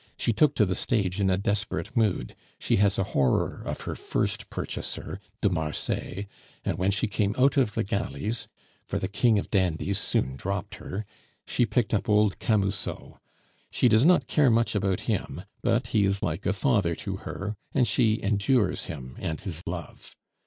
She took to the stage in a desperate mood; she has a horror of her first purchaser, de Marsay; and when she came out of the galleys, for the king of dandies soon dropped her, she picked up old Camusot. She does not care much about him, but he is like a father to her, and she endures him and his love.